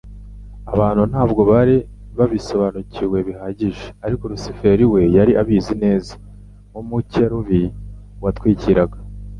abantu ntabwo bari babisobanukiwe bihagije; ariko Lusiferi we yari abizi neza, nk'umukerubi watwikiraga